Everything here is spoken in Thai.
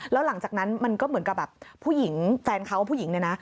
แล้วหลังจากนั้นมันก็เหมือนกับแฟนเขาผู้หญิงเนี่ยนะ